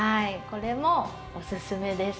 これもおすすめです。